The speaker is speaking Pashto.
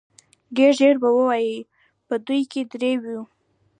ډېر ژر به ووايي په دوی کې درې وو.